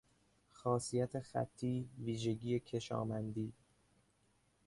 خاصیت خطی، ویژگی کشامندی